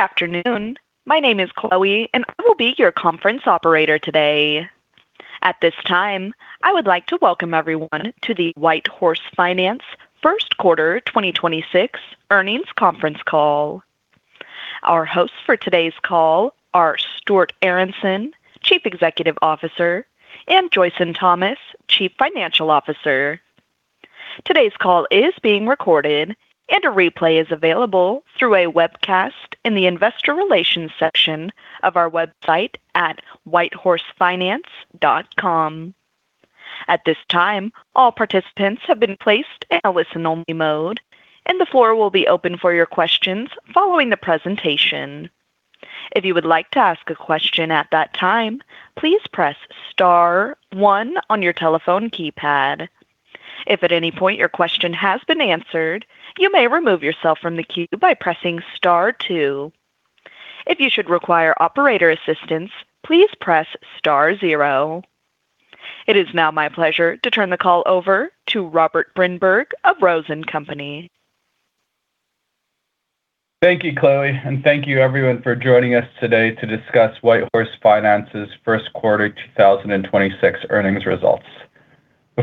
Good afternoon. My name is Chloe and I will be your conference operator today. At this time, I would like to welcome everyone to the WhiteHorse Finance first quarter 2026 earnings conference call. Our hosts for today's call are Stuart Aronson, Chief Executive Officer, and Joyson Thomas, Chief Financial Officer. Today's call is being recorded and a replay is available through a webcast in the investor relations section of our website at whitehorsefinance.com. At this time, all participants have been placed in a listen-only mode, and the floor will be open for your questions following the presentation. If you would like to ask a question at that time, please press star one on your telephone keypad. If at any point your question has been answered, you may remove yourself from the queue by pressing star two. If you should require operator assistance, please press star zero. It is now my pleasure to turn the call over to Robert Brinberg of Rose & Company. Thank you, Chloe, and thank you everyone for joining us today to discuss WhiteHorse Finance's first quarter 2026 earnings results.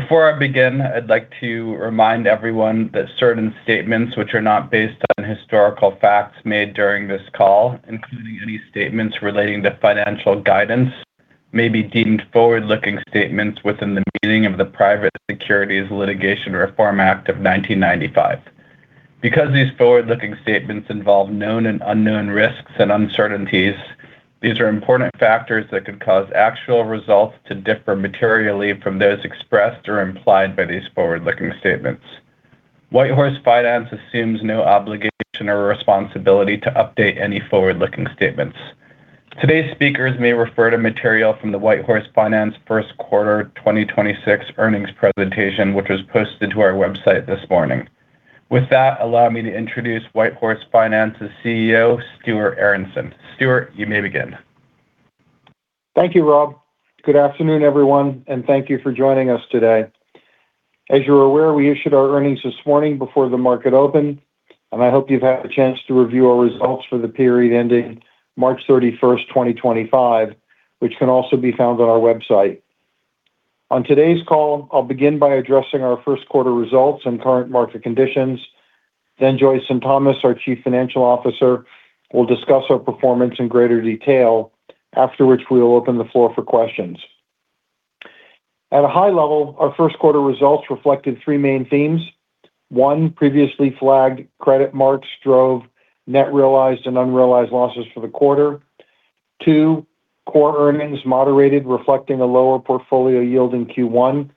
Before I begin, I'd like to remind everyone that certain statements which are not based on historical facts made during this call, including any statements relating to financial guidance, may be deemed forward-looking statements within the meaning of the Private Securities Litigation Reform Act of 1995. Because these forward-looking statements involve known and unknown risks and uncertainties, these are important factors that could cause actual results to differ materially from those expressed or implied by these forward-looking statements. WhiteHorse Finance assumes no obligation or responsibility to update any forward-looking statements. Today's speakers may refer to material from the WhiteHorse Finance first quarter 2026 earnings presentation, which was posted to our website this morning. With that, allow me to introduce WhiteHorse Finance's CEO, Stuart Aronson. Stuart, you may begin. Thank you, Rob. Good afternoon, everyone, and thank you for joining us today. As you're aware, we issued our earnings this morning before the market opened, and I hope you've had a chance to review our results for the period ending March 31st, 2025, which can also be found on our website. On today's call, I'll begin by addressing our first quarter results and current market conditions. Joyson Thomas, our Chief Financial Officer, will discuss our performance in greater detail, after which we will open the floor for questions. At a high level, our first quarter results reflected three main themes. One, previously flagged credit marks drove net realized and unrealized losses for the quarter. Two, core earnings moderated, reflecting a lower portfolio yield in Q1,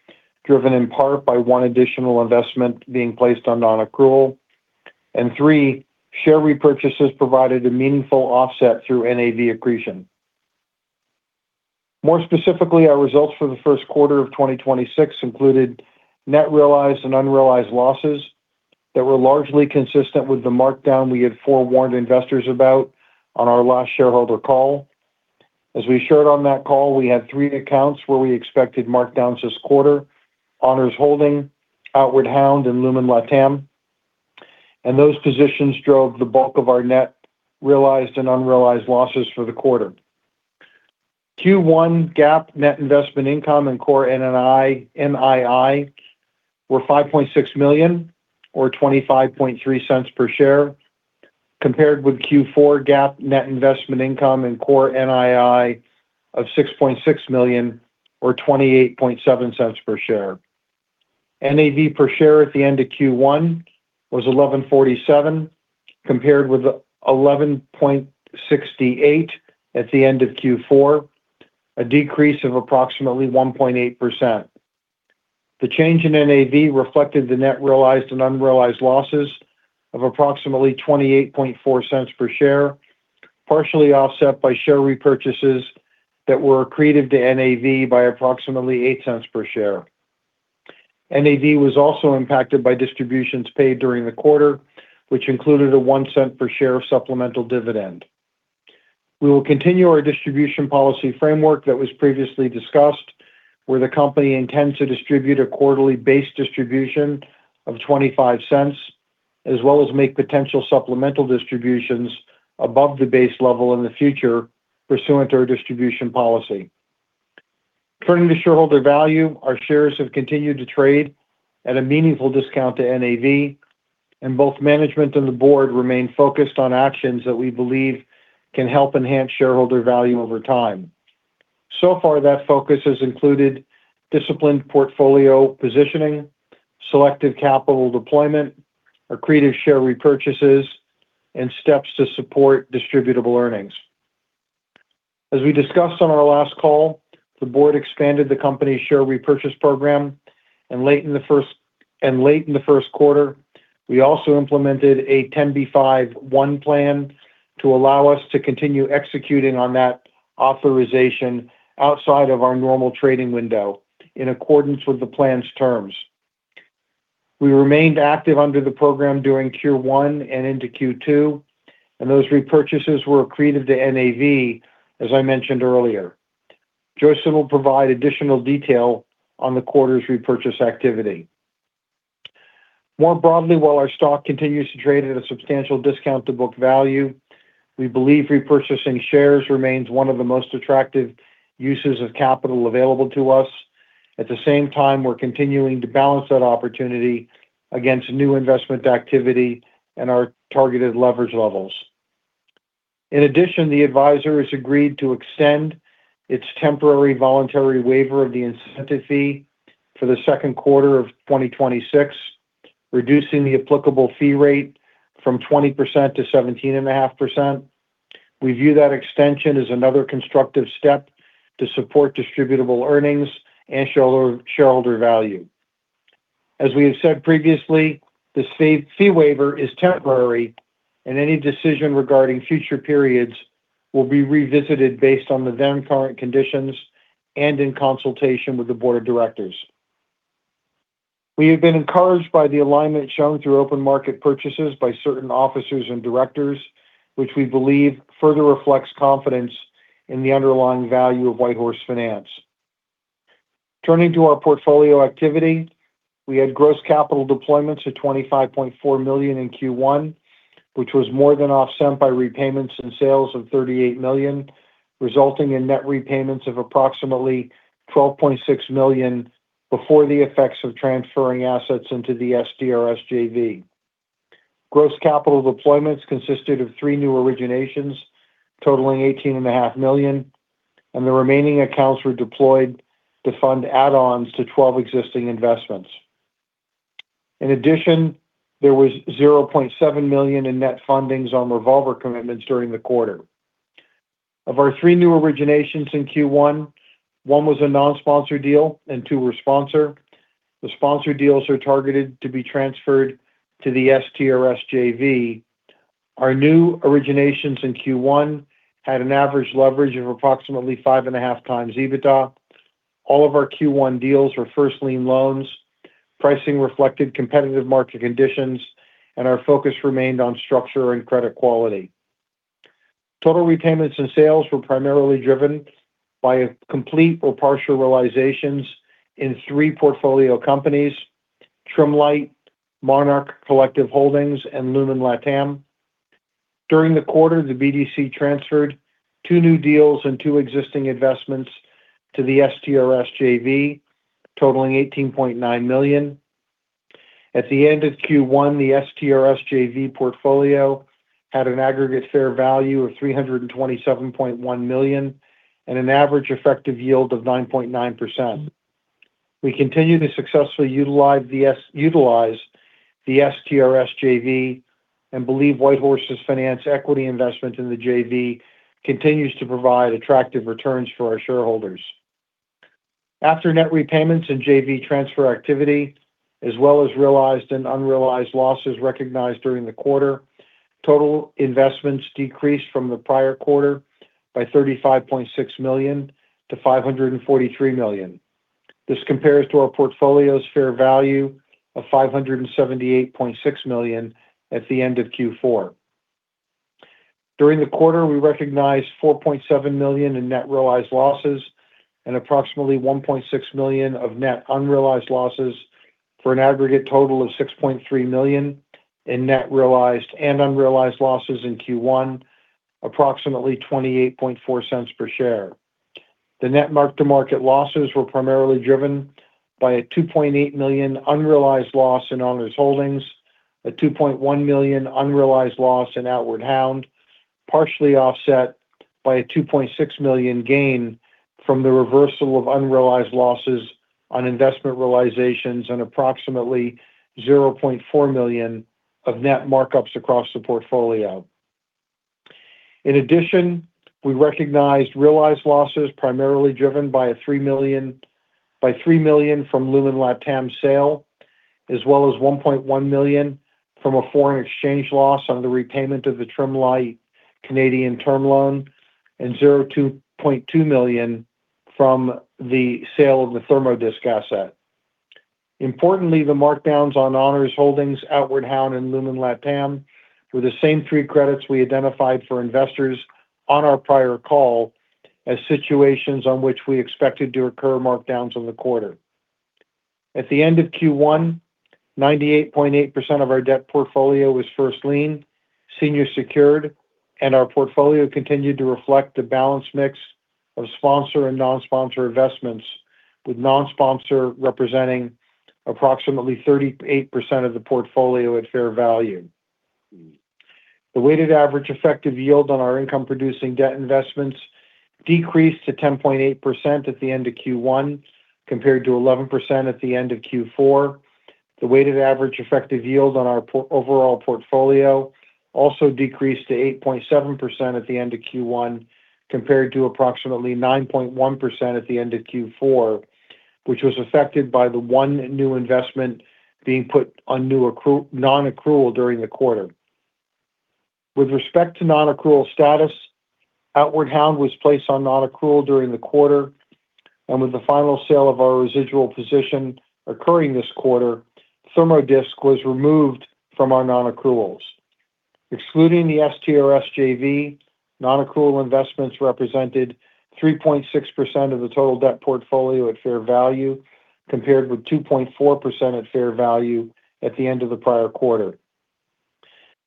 driven in part by one additional investment being placed on non-accrual. Three, share repurchases provided a meaningful offset through NAV accretion. More specifically, our results for the first quarter of 2026 included net realized and unrealized losses that were largely consistent with the markdown we had forewarned investors about on our last shareholder call. As we shared on that call, we had three accounts where we expected markdowns this quarter, Honors Holdings, Outward Hound, and Lumen LATAM. Those positions drove the bulk of our net realized and unrealized losses for the quarter. Q1 GAAP net investment income and core NII were $5.6 million or $0.253 per share, compared with Q4 GAAP net investment income and core NII of $6.6 million or $0.287 per share. NAV per share at the end of Q1 was $11.47, compared with $11.68 at the end of Q4, a decrease of approximately 1.8%. The change in NAV reflected the net realized and unrealized losses of approximately $0.284 per share, partially offset by share repurchases that were accretive to NAV by approximately $0.08 per share. NAV was also impacted by distributions paid during the quarter, which included a $0.01 per share of supplemental dividend. We will continue our distribution policy framework that was previously discussed, where the company intends to distribute a quarterly base distribution of $0.25, as well as make potential supplemental distributions above the base level in the future pursuant to our distribution policy. Turning to shareholder value, our shares have continued to trade at a meaningful discount to NAV, and both management and the board remain focused on actions that we believe can help enhance shareholder value over time. That focus has included disciplined portfolio positioning, selective capital deployment, accretive share repurchases, and steps to support distributable earnings. As we discussed on our last call, the board expanded the company's share repurchase program, and late in the first quarter, we also implemented a 10b5-1 plan to allow us to continue executing on that authorization outside of our normal trading window in accordance with the plan's terms. We remained active under the program during Q1 and into Q2, those repurchases were accretive to NAV, as I mentioned earlier. Joyson will provide additional detail on the quarter's repurchase activity. More broadly, while our stock continues to trade at a substantial discount to book value, we believe repurchasing shares remains one of the most attractive uses of capital available to us. At the same time, we're continuing to balance that opportunity against new investment activity and our targeted leverage levels. In addition, the advisor has agreed to extend its temporary voluntary waiver of the incentive fee for the second quarter of 2026, reducing the applicable fee rate from 20% to 17.5%. We view that extension as another constructive step to support distributable earnings and shareholder value. As we have said previously, this fee waiver is temporary, and any decision regarding future periods will be revisited based on the then current conditions and in consultation with the board of directors. We have been encouraged by the alignment shown through open market purchases by certain officers and directors, which we believe further reflects confidence in the underlying value of WhiteHorse Finance. Turning to our portfolio activity, we had gross capital deployments of $25.4 million in Q1, which was more than offset by repayments and sales of $38 million, resulting in net repayments of approximately $12.6 million before the effects of transferring assets into the STRS JV. Gross capital deployments consisted of three new originations totaling $18.5 million, and the remaining accounts were deployed to fund add-ons to 12 existing investments. In addition, there was $0.7 million in net fundings on revolver commitments during the quarter. Of our three new originations in Q1, 1 was a non-sponsor deal and two were sponsored. The sponsored deals are targeted to be transferred to the STRS JV. Our new originations in Q1 had an average leverage of approximately 5.5x EBITDA. All of our Q1 deals were first lien loans. Pricing reflected competitive market conditions, and our focus remained on structure and credit quality. Total repayments and sales were primarily driven by complete or partial realizations in three portfolio companies, Trimlite, Monarch Collective Holdings, and Lumen LATAM. During the quarter, the BDC transferred two new deals and two existing investments to the STRS JV, totaling $18.9 million. At the end of Q1, the STRS JV portfolio had an aggregate fair value of $327.1 million and an average effective yield of 9.9%. We continue to successfully utilize the STRS JV and believe WhiteHorse Finance's equity investment in the JV continues to provide attractive returns for our shareholders. After net repayments and JV transfer activity, as well as realized and unrealized losses recognized during the quarter, total investments decreased from the prior quarter by $35.6 million to $543 million. This compares to our portfolio's fair value of $578.6 million at the end of Q4. During the quarter, we recognized $4.7 million in net realized losses and approximately $1.6 million of net unrealized losses for an aggregate total of $6.3 million in net realized and unrealized losses in Q1, approximately $0.284 per share. The net mark-to-market losses were primarily driven by a $2.8 million unrealized loss in Honors Holdings, a $2.1 million unrealized loss in Outward Hound, partially offset by a $2.6 million gain from the reversal of unrealized losses on investment realizations and approximately $0.4 million of net markups across the portfolio. In addition, we recognized realized losses primarily driven by $3 million from Lumen LATAM sale, as well as $1.1 million from a foreign exchange loss on the repayment of the Trimlite Canadian term loan and $2.2 million from the sale of the Therm-O-Disc asset. Importantly, the markdowns on Honors Holdings, Outward Hound, and Lumen LATAM were the same three credits we identified for investors on our prior call as situations on which we expected to occur markdowns on the quarter. At the end of Q1, 98.8% of our debt portfolio was first lien, senior secured, our portfolio continued to reflect the balanced mix of sponsor and non-sponsor investments, with non-sponsor representing approximately 38% of the portfolio at fair value. The weighted average effective yield on our income-producing debt investments decreased to 10.8% at the end of Q1 compared to 11% at the end of Q4. The weighted average effective yield on our overall portfolio also decreased to 8.7% at the end of Q1 compared to approximately 9.1% at the end of Q4, which was affected by the one new investment being put on non-accrual during the quarter. With respect to non-accrual status, Outward Hound was placed on non-accrual during the quarter. With the final sale of our residual position occurring this quarter, Therm-O-Disc was removed from our non-accruals. Excluding the STRS JV, non-accrual investments represented 3.6% of the total debt portfolio at fair value, compared with 2.4% at fair value at the end of the prior quarter.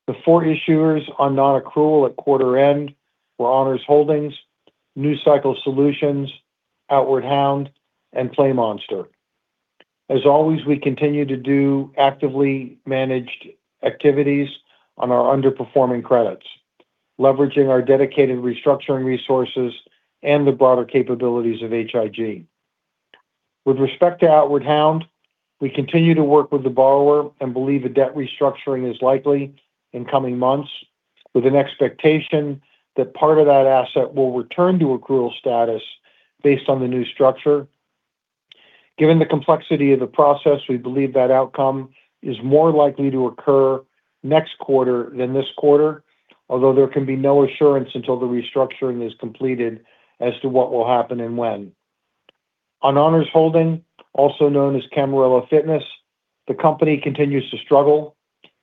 The four issuers on non-accrual at quarter end were Honors Holdings, Newscycle Solutions, Outward Hound, and PlayMonster. As always, we continue to do actively managed activities on our underperforming credits, leveraging our dedicated restructuring resources and the broader capabilities of H.I.G. With respect to Outward Hound, we continue to work with the borrower and believe a debt restructuring is likely in coming months, with an expectation that part of that asset will return to accrual status based on the new structure. Given the complexity of the process, we believe that outcome is more likely to occur next quarter than this quarter, although there can be no assurance until the restructuring is completed as to what will happen and when. On Honors Holdings, also known as Camarillo Fitness, the company continues to struggle,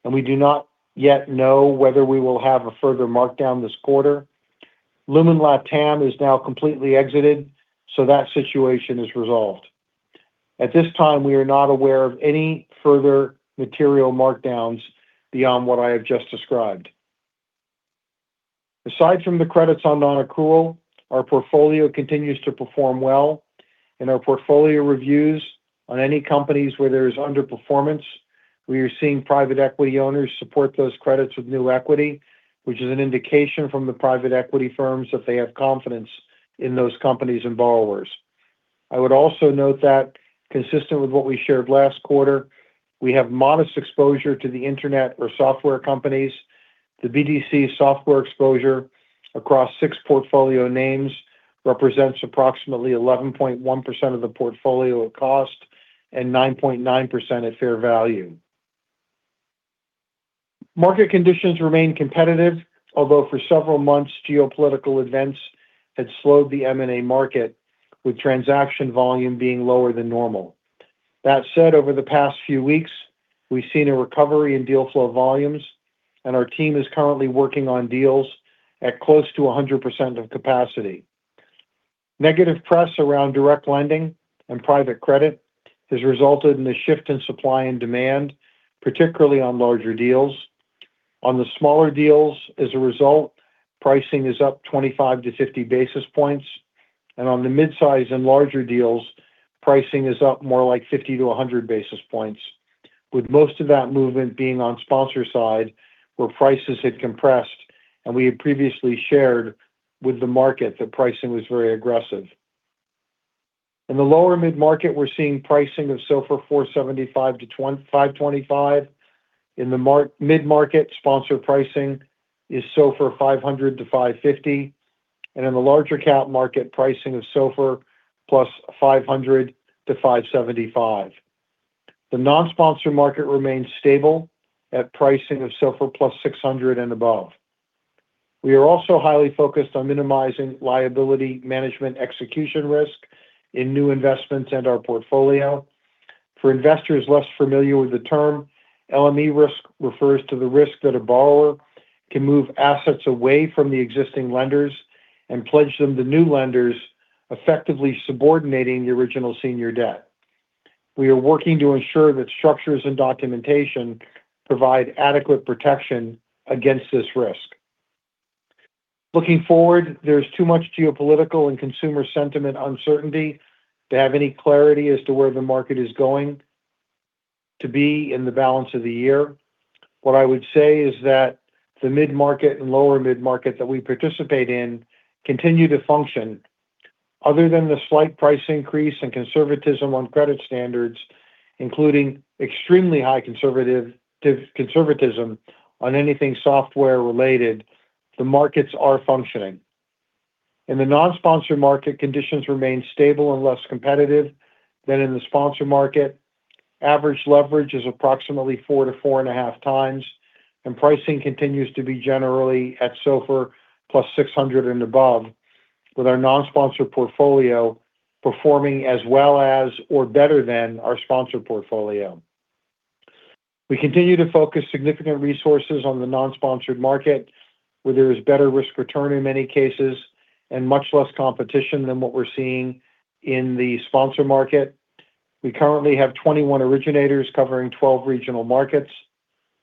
and we do not yet know whether we will have a further markdown this quarter. Lumen LATAM is now completely exited, so that situation is resolved. At this time, we are not aware of any further material markdowns beyond what I have just described. Aside from the credits on non-accrual, our portfolio continues to perform well. In our portfolio reviews on any companies where there is underperformance, we are seeing private equity owners support those credits with new equity, which is an indication from the private equity firms that they have confidence in those companies and borrowers. I would also note that consistent with what we shared last quarter, we have modest exposure to the internet or software companies. The BDC software exposure across six portfolio names represents approximately 11.1% of the portfolio at cost and 9.9% at fair value. Market conditions remain competitive, although for several months geopolitical events had slowed the M&A market, with transaction volume being lower than normal. Over the past few weeks we've seen a recovery in deal flow volumes, and our team is currently working on deals at close to 100% of capacity. Negative press around direct lending and private credit has resulted in a shift in supply and demand, particularly on larger deals. On the smaller deals as a result, pricing is up 25 to 50 basis points, on the midsize and larger deals, pricing is up more like 50 to 100 basis points, with most of that movement being on sponsor side where prices had compressed and we had previously shared with the market that pricing was very aggressive. In the lower mid-market, we're seeing pricing of SOFR 475 to 525. In the mid-market, sponsor pricing is SOFR 500 to 550. In the larger cap market, pricing of SOFR plus 500 to 575. The non-sponsor market remains stable at pricing of SOFR plus 600 and above. We are also highly focused on minimizing liability management execution risk in new investments and our portfolio. For investors less familiar with the term, LME risk refers to the risk that a borrower can move assets away from the existing lenders and pledge them to new lenders, effectively subordinating the original senior debt. We are working to ensure that structures and documentation provide adequate protection against this risk. Looking forward, there's too much geopolitical and consumer sentiment uncertainty to have any clarity as to where the market is going to be in the balance of the year. What I would say is that the mid-market and lower mid-market that we participate in continue to function. Other than the slight price increase and conservatism on credit standards, including extremely high conservatism on anything software related, the markets are functioning. In the non-sponsor market, conditions remain stable and less competitive than in the sponsor market. Average leverage is approximately 4x to 4.5x. Pricing continues to be generally at SOFR plus 600 and above with our non-sponsor portfolio performing as well as or better than our sponsor portfolio. We continue to focus significant resources on the non-sponsored market where there is better risk return in many cases and much less competition than what we're seeing in the sponsor market. We currently have 21 originators covering 12 regional markets.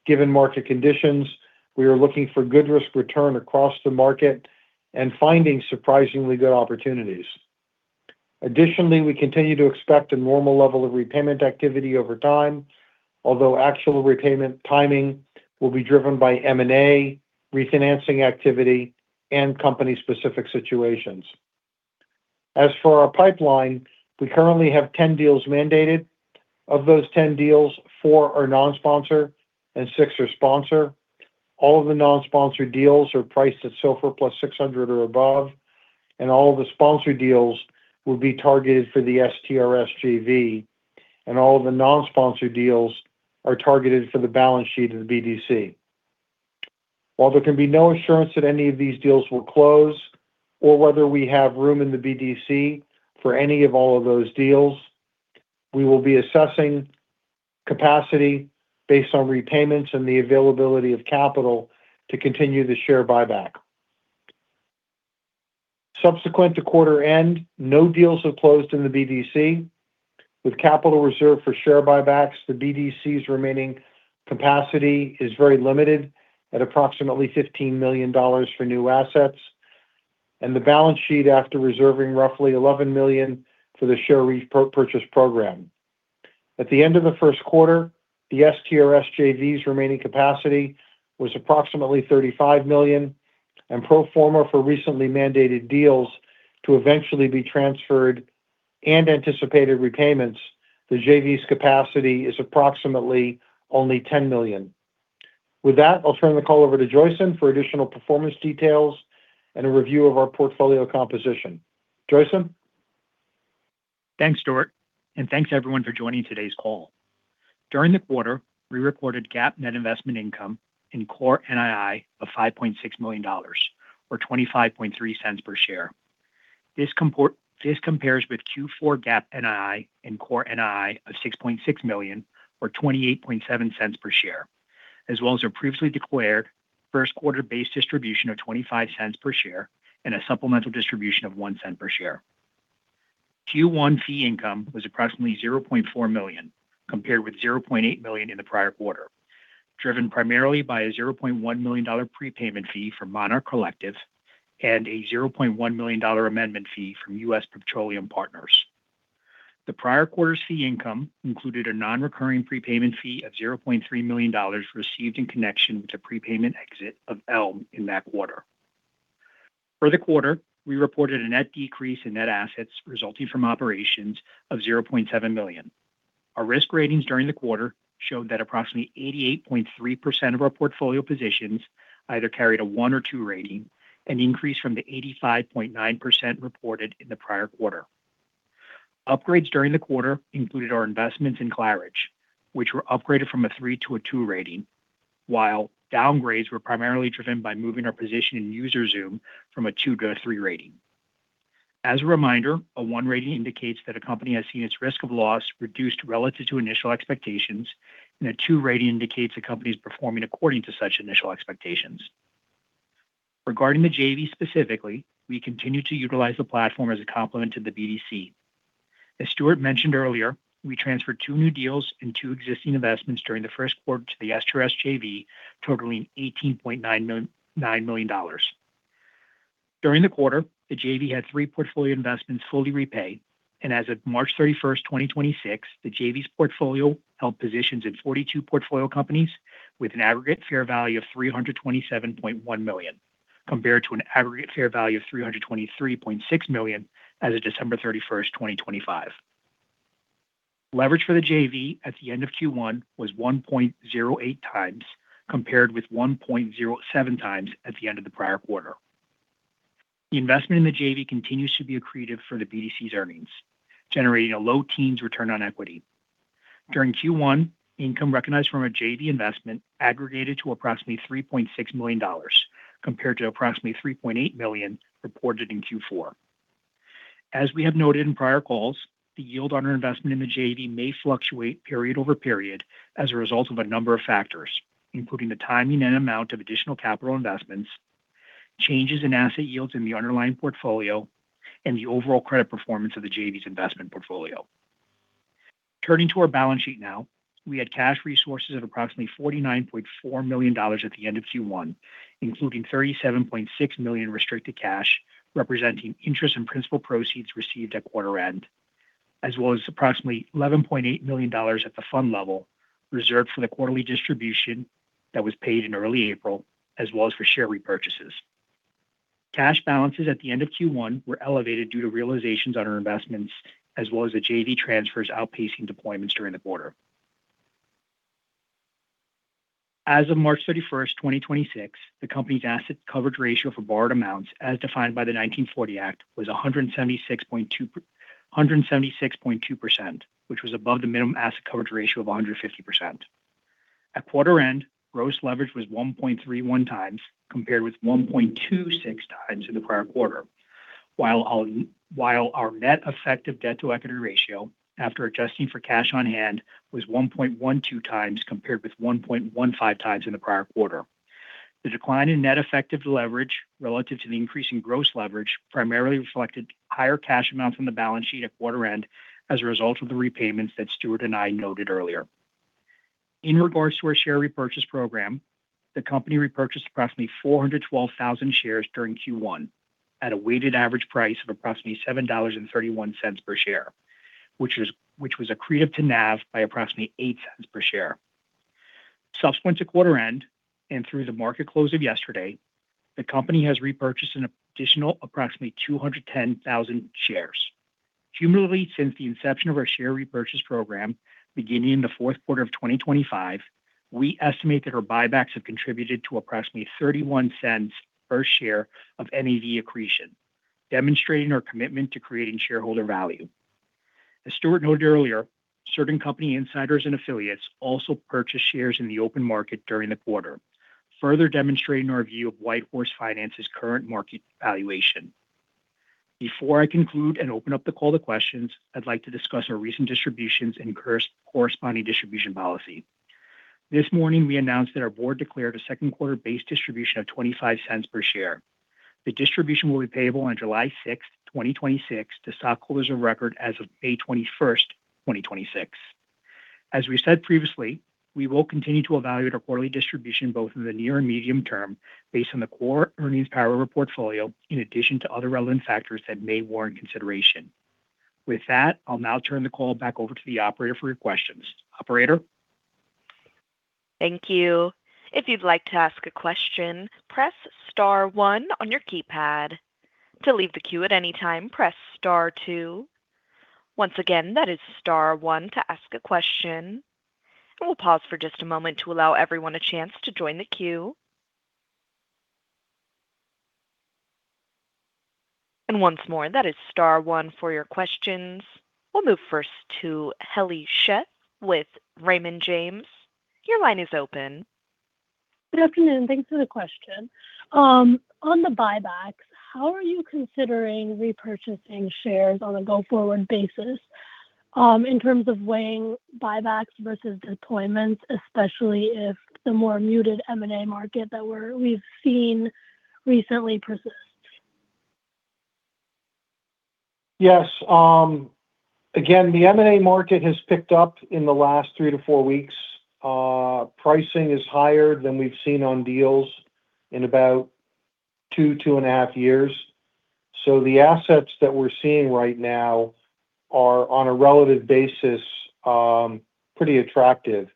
Given market conditions, we are looking for good risk return across the market and finding surprisingly good opportunities. Additionally, we continue to expect a normal level of repayment activity over time, although actual repayment timing will be driven by M&A, refinancing activity, and company-specific situations. As for our pipeline, we currently have 10 deals mandated. Of those 10 deals, four are non-sponsor and six are sponsor. All of the non-sponsor deals are priced at SOFR plus 600 or above, and all of the sponsored deals will be targeted for the STRS JV, and all of the non-sponsor deals are targeted for the balance sheet of the BDC. While there can be no assurance that any of these deals will close, or whether we have room in the BDC for any of all of those deals. We will be assessing capacity based on repayments and the availability of capital to continue the share buyback. Subsequent to quarter end, no deals have closed in the BDC. With capital reserved for share buybacks, the BDC's remaining capacity is very limited at approximately $15 million for new assets, and the balance sheet after reserving roughly $11 million for the share repurchase program. At the end of the first quarter, the STRS JV's remaining capacity was approximately $35 million, and pro forma for recently mandated deals to eventually be transferred and anticipated repayments. The JV's capacity is approximately only $10 million. With that, I'll turn the call over to Joyson for additional performance details and a review of our portfolio composition. Joyson? Thanks, Stuart, and thanks everyone for joining today's call. During the quarter, we reported GAAP net investment income in core NII of $5.6 million or $0.253 per share. This compares with Q4 GAAP NII and core NII of $6.6 million or $0.287 per share. As well as our previously declared first quarter base distribution of $0.25 per share and a supplemental distribution of $0.01 per share. Q1 fee income was approximately $0.4 million, compared with $0.8 million in the prior quarter, driven primarily by a $0.1 million prepayment fee from Monarch Collective and a $0.1 million amendment fee from U.S. Petroleum Partners. The prior quarter's fee income included a non-recurring prepayment fee of $0.3 million received in connection with the prepayment exit of ELM in that quarter. For the quarter, we reported a net decrease in net assets resulting from operations of $0.7 million. Our risk ratings during the quarter showed that approximately 88.3% of our portfolio positions either carried a 1 or 2 rating, an increase from the 85.9% reported in the prior quarter. Upgrades during the quarter included our investments in Claridge, which were upgraded from a 3 to a 2 rating, while downgrades were primarily driven by moving our position in UserZoom from a 2 to a 3 rating. As a reminder, a 1 rating indicates that a company has seen its risk of loss reduced relative to initial expectations, and a 2 rating indicates a company is performing according to such initial expectations. Regarding the JV specifically, we continue to utilize the platform as a complement to the BDC. As Stuart mentioned earlier, we transferred two new deals and two existing investments during the first quarter to the STRS JV, totaling $18.9 million. During the quarter, the JV had three portfolio investments fully repaid, and as of March 31st, 2026, the JV's portfolio held positions in 42 portfolio companies with an aggregate fair value of $327.1 million, compared to an aggregate fair value of $323.6 million as of December 31st, 2025. Leverage for the JV at the end of Q1 was 1.08x, compared with 1.07x at the end of the prior quarter. The investment in the JV continues to be accretive for the BDC's earnings, generating a low teens return on equity. During Q1, income recognized from a JV investment aggregated to approximately $3.6 million, compared to approximately $3.8 million reported in Q4. As we have noted in prior calls, the yield on our investment in the JV may fluctuate period over period as a result of a number of factors, including the timing and amount of additional capital investments, changes in asset yields in the underlying portfolio, and the overall credit performance of the JV's investment portfolio. Turning to our balance sheet now, we had cash resources of approximately $49.4 million at the end of Q1, including $37.6 million restricted cash, representing interest and principal proceeds received at quarter end, as well as approximately $11.8 million at the fund level reserved for the quarterly distribution that was paid in early April as well as for share repurchases. Cash balances at the end of Q1 were elevated due to realizations on our investments as well as the JV transfers outpacing deployments during the quarter. As of March 31, 2026, the company's asset coverage ratio for borrowed amounts as defined by the 1940 Act was 176.2%, which was above the minimum asset coverage ratio of 150%. At quarter end, gross leverage was 1.31x, compared with 1.26x in the prior quarter. While our net effective debt to equity ratio after adjusting for cash on hand was 1.12x compared with 1.15x in the prior quarter. The decline in net effective leverage relative to the increase in gross leverage primarily reflected higher cash amounts on the balance sheet at quarter end as a result of the repayments that Stuart and I noted earlier. In regards to our share repurchase program, the company repurchased approximately 412,000 shares during Q1 at a weighted average price of approximately $7.31 per share, which was accretive to NAV by approximately $0.08 per share. Subsequent to quarter end and through the market close of yesterday, the company has repurchased an additional approximately 210,000 shares. Cumulatively, since the inception of our share repurchase program beginning in the fourth quarter of 2025, we estimate that our buybacks have contributed to approximately $0.31 per share of NAV accretion, demonstrating our commitment to creating shareholder value. As Stuart noted earlier, certain company insiders and affiliates also purchased shares in the open market during the quarter. Further demonstrating our view of WhiteHorse Finance's current market valuation. Before I conclude and open up the call to questions, I'd like to discuss our recent distributions and corresponding distribution policy. This morning, we announced that our board declared a second quarter base distribution of $0.25 per share. The distribution will be payable on July 6th, 2026 to stockholders of record as of May 21st, 2026. As we said previously, we will continue to evaluate our quarterly distribution both in the near and medium term based on the core earnings power of our portfolio, in addition to other relevant factors that may warrant consideration. With that, I'll now turn the call back over to the operator for your questions. Operator? Thank you. If you would like to ask a question press star one on your keypad. To leave the queue at any time press star two. Once again that is star one to ask a question. We'll pause for just a moment to allow everyone a chance to join the queue. Once more that is star one for your questions. We'll move first to Heli Sheth with Raymond James. Your line is open. Good afternoon. Thanks for the question. On the buybacks, how are you considering repurchasing shares on a go-forward basis, in terms of weighing buybacks versus deployments, especially if the more muted M&A market that we've seen recently persists? Yes. Again, the M&A market has picked up in the last three to four weeks. Pricing is higher than we've seen on deals in about two, 2.5 years. The assets that we're seeing right now are on a relative basis, pretty attractive.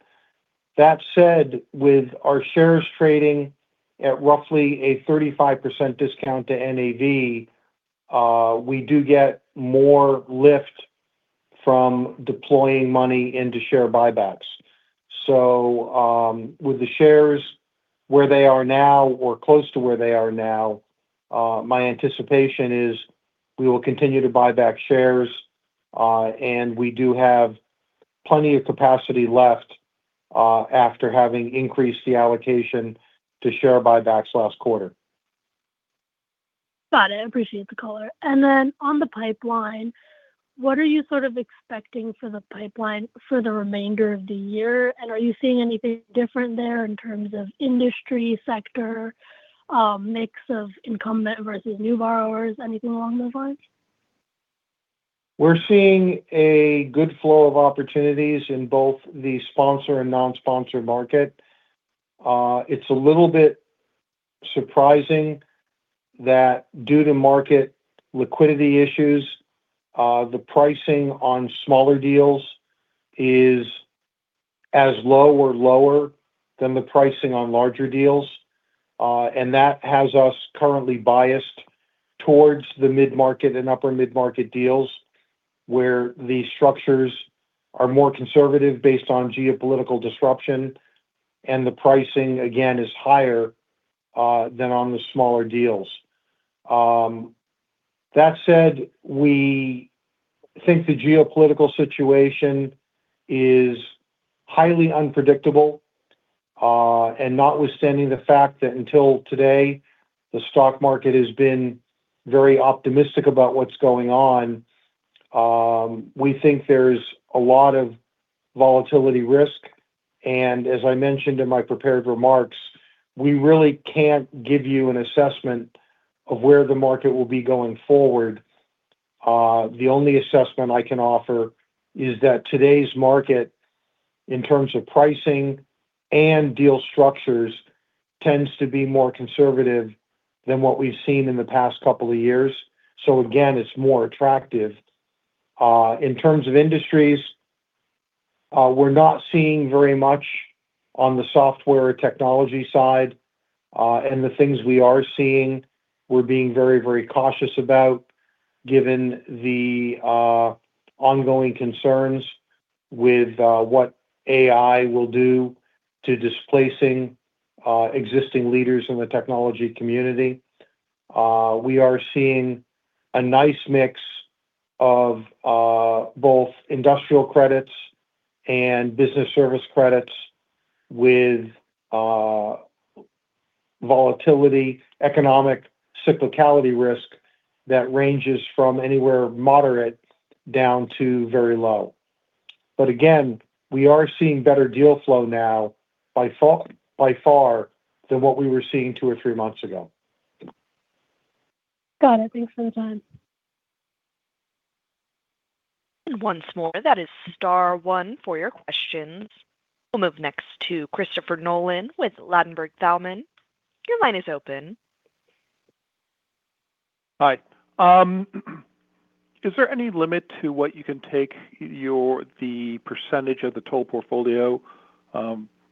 That said, with our shares trading at roughly a 35% discount to NAV, we do get more lift from deploying money into share buybacks. With the shares where they are now or close to where they are now, my anticipation is we will continue to buy back shares, and we do have plenty of capacity left, after having increased the allocation to share buybacks last quarter. Got it. Appreciate the color. Then on the pipeline, what are you sort of expecting for the pipeline for the remainder of the year? Are you seeing anything different there in terms of industry sector, mix of incumbent versus new borrowers, anything along those lines? We're seeing a good flow of opportunities in both the sponsor and non-sponsor market. It's a little bit surprising that due to market liquidity issues, the pricing on smaller deals is as low or lower than the pricing on larger deals. That has us currently biased towards the mid-market and upper mid-market deals, where the structures are more conservative based on geopolitical disruption, and the pricing, again, is higher than on the smaller deals. That said, we think the geopolitical situation is highly unpredictable, and notwithstanding the fact that until today, the stock market has been very optimistic about what's going on, we think there's a lot of volatility risk. As I mentioned in my prepared remarks, we really can't give you an assessment of where the market will be going forward. The only assessment I can offer is that today's market, in terms of pricing and deal structures, tends to be more conservative than what we've seen in the past couple of years. Again, it's more attractive. In terms of industries, we're not seeing very much on the software technology side. And the things we are seeing, we're being very, very cautious about, given the ongoing concerns with what AI will do to displacing existing leaders in the technology community. We are seeing a nice mix of both industrial credits and business service credits with volatility, economic cyclicality risk that ranges from anywhere moderate down to very low. Again, we are seeing better deal flow now by far than what we were seeing two or three months ago. Got it. Thanks for the time. Once more, that is star one for your questions. We'll move next to Christopher Nolan with Ladenburg Thalmann. Your line is open. Hi. Is there any limit to what you can take the percentage of the total portfolio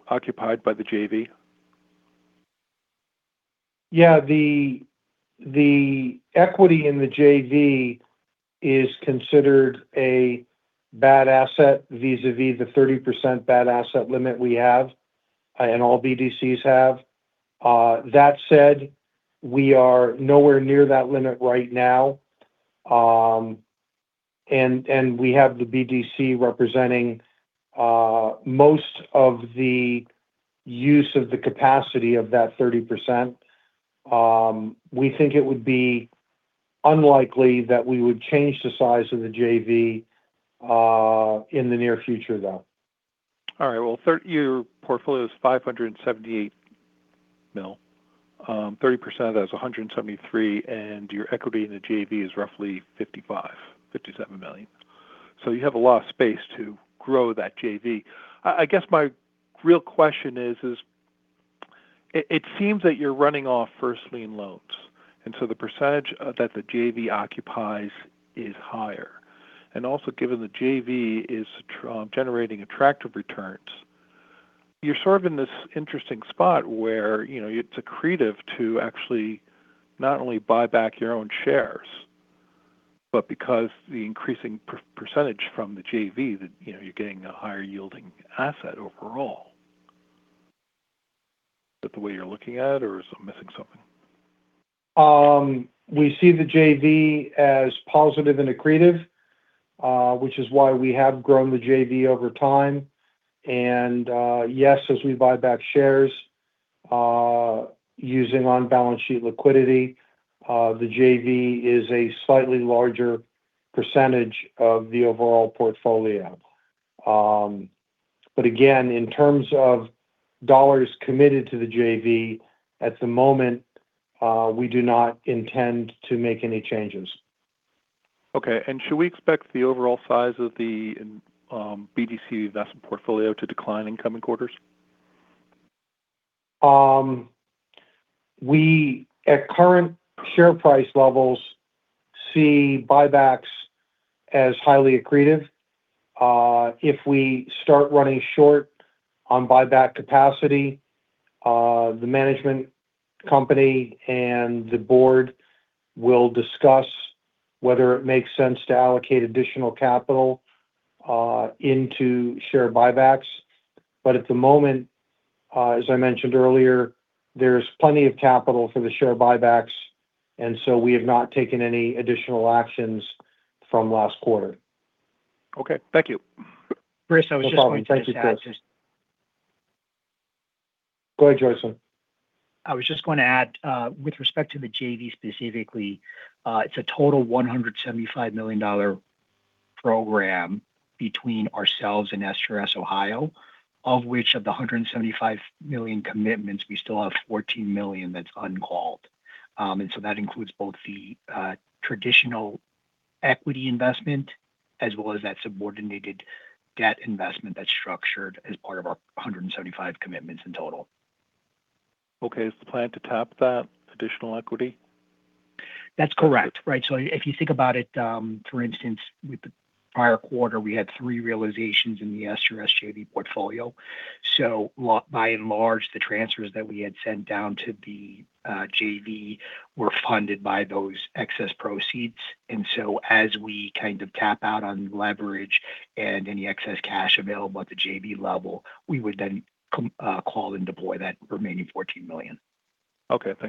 occupied by the JV? Yeah. The, the equity in the JV is considered a bad asset vis-a-vis the 30% bad asset limit we have, and all BDCs have. That said, we are nowhere near that limit right now. We have the BDC representing most of the use of the capacity of that 30%. We think it would be unlikely that we would change the size of the JV in the near future though. Well, your portfolio is $578 million. 30% of that is $173 million, and your equity in the JV is roughly $55 million, $57 million. You have a lot of space to grow that JV. I guess my real question is, it seems that you're running off first lien loans, the percentage that the JV occupies is higher. Also given the JV is generating attractive returns, you're sort of in this interesting spot where, you know, it's accretive to actually not only buy back your own shares, but because the increasing percentage from the JV that, you know, you're getting a higher yielding asset overall. Is that the way you're looking at it or am I missing something? We see the JV as positive and accretive, which is why we have grown the JV over time. Yes, as we buy back shares, using on balance sheet liquidity, the JV is a slightly larger percentage of the overall portfolio. Again, in terms of dollars committed to the JV at the moment, we do not intend to make any changes. Okay. Should we expect the overall size of the BDC investment portfolio to decline in coming quarters? We, at current share price levels, see buybacks as highly accretive. If we start running short on buyback capacity, the management company and the board will discuss whether it makes sense to allocate additional capital, into share buybacks. At the moment, as I mentioned earlier, there's plenty of capital for the share buybacks, and so we have not taken any additional actions from last quarter. Okay. Thank you. Chris, I was just going to just add. No problem. Thank you, Chris. Go ahead, Joyson. I was just going to add, with respect to the JV specifically, it's a total $175 million program between ourselves and STRS Ohio, of which of the $175 million commitments, we still have $14 million that's uncalled. That includes both the traditional equity investment as well as that subordinated debt investment that's structured as part of our $175 million commitments in total. Okay. Is the plan to tap that additional equity? That's correct. Right. If you think about it, for instance, with the prior quarter, we had three realizations in the STRS JV portfolio. By and large, the transfers that we had sent down to the JV were funded by those excess proceeds. As we kind of tap out on leverage and any excess cash available at the JV level, we would then call and deploy that remaining $14 million. Okay. Thanks.